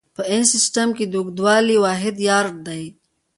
په انچ سیسټم کې د اوږدوالي واحد یارډ دی.